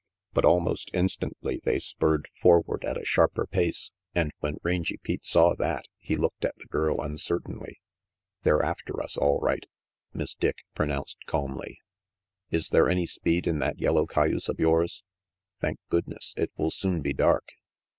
But almost instantly they spurred forward at a RANGY PETE sharper pace, and when Rangy Pete saw that, he looked at the girl uncertainly. "They're after us, all right," Miss Dick pro nounced calmly. " Is there any speed in that yellow cay use of yours? Thank goodness, it will soon be dark.